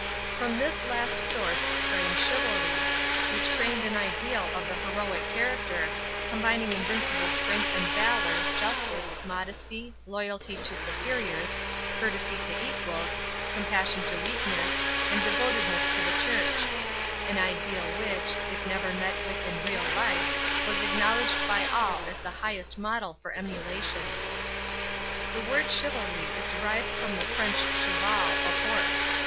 From this last source sprang Chivalry, which framed an ideal of the heroic character, combining invincible strength and valor, justice, modesty, loyalty to superiors, courtesy to equals, compassion to weakness, and devotedness to the Church; an ideal which, if never met with in real life, was acknowledged by all as the highest model for emulation. The word "Chivalry" is derived from the French "cheval," a horse.